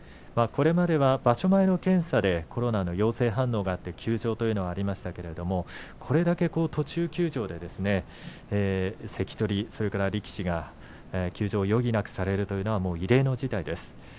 場所前の検査でコロナの陽性反応があって休場ということもありましたがこれだけ途中休場の関取、力士が休場を余儀なくされるというのは異例の事態です。